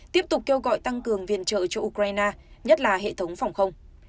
tiếp tục kêu gọi tăng cường viện trợ cho ukraine nhất là hệ thống phòng không